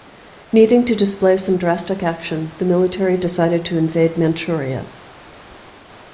Needing to display some drastic action, the military decided to invade Manchuria.